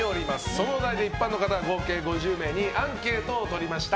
そのお題で一般の方合計５０名にアンケートを取りました。